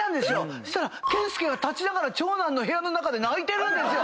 そしたら健介が立ちながら長男の部屋の中で泣いてるんですよ。